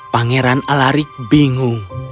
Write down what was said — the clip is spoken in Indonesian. pangeran alarik bingung